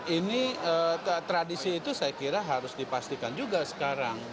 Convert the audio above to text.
ini tradisi itu saya kira harus dipastikan juga sekarang